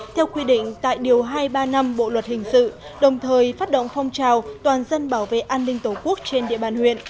theo quy định tại điều hai trăm ba mươi năm bộ luật hình sự đồng thời phát động phong trào toàn dân bảo vệ an ninh tổ quốc trên địa bàn huyện